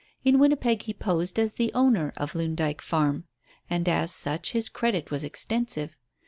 In Winnipeg he posed as the owner of Loon Dyke Farm, and as such his credit was extensive.